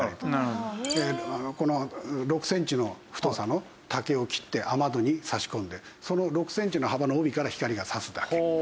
６センチの太さの竹を切って雨戸に差し込んでその６センチの幅のみから光が差すだけ。